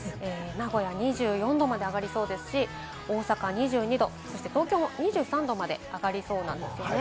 名古屋２４度まで上がりそうですし、大阪２２度、東京も２３度まで上がりそうなんですね。